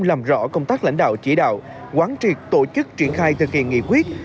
làm rõ công tác lãnh đạo chỉ đạo quán triệt tổ chức triển khai thực hiện nghị quyết